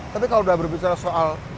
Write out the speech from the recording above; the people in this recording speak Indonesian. tapi kalau sudah berbicara soal